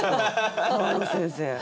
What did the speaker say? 川野先生。